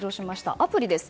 アプリです。